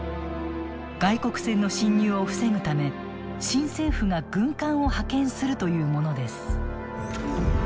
外国船の侵入を防ぐため新政府が軍艦を派遣するというものです。